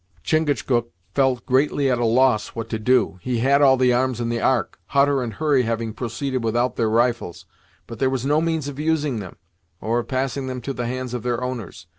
Chingachgook felt greatly at a loss what to do. He had all the arms in the Ark, Hutter and Hurry having proceeded without their rifles, but there was no means of using them, or of passing them to the hands of their owners.